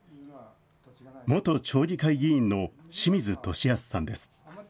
元町議会議員の清水敏保さんです。